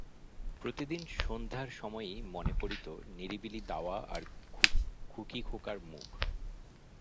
প্রতিদিন সন্ধ্যার সময়ই মনে পড়িত নিরিবিলি দাওয়া আর খুকী-খোকার মুখ।